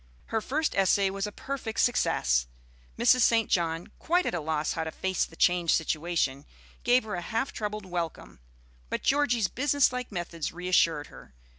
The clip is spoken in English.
Her first essay was a perfect success. Mrs. St. John, quite at a loss how to face the changed situation, gave her a half troubled welcome; but Georgie's business like methods reassured her.